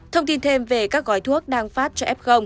thông tin thêm về các gói thuốc đang phát cho f